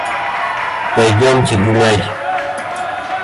Пойдемте гулять.